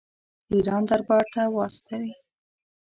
د ایران دربار ته واستوي.